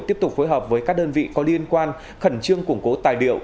tiếp tục phối hợp với các đơn vị có liên quan khẩn trương củng cố tài liệu